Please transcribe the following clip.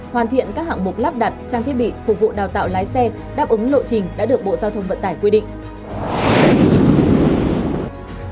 hoàn thiện các hạng mục lắp đặt trang thiết bị phục vụ đào tạo lái xe đáp ứng lộ trình đã được bộ giao thông vận tải quy định